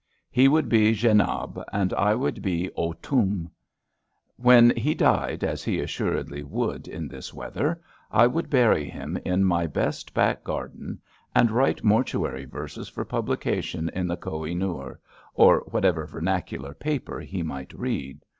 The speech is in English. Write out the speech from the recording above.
He should be '' Jenab/' and I would be '' Turn/' When he died, as he assuredly would in this weather, I would bury him in my best back garden and write mortuary verses for publication in the Koh i Nur, or whatever vernacular paper he might read.